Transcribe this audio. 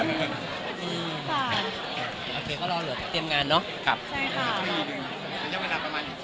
โอเคเขารอเหลือเตรียมงานเนาะ